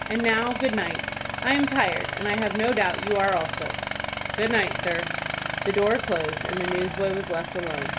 And now, good night. I am tired, and I have no doubt you are also." "Good night, sir." The door closed, and the newsboy was left alone.